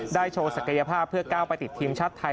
โชว์ศักยภาพเพื่อก้าวไปติดทีมชาติไทย